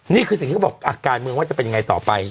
นี่คือสิ่งที่เขาบอกการเมืองว่าจะเป็นยังไงต่อไป